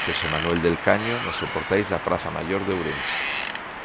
Xosé Manuel del Caño nos soportais da Praza Maior de Ourense.